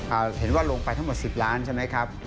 เห็นว่าลงไปทั้งหมดสิบล้านใช่ไหมครับ